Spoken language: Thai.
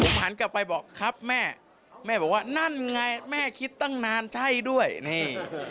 หันกลับไปบอกครับแม่แม่บอกว่านั่นไงแม่คิดตั้งนานใช่ด้วยนี่